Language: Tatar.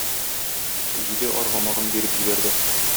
Җиде аргамагын биреп җибәрде.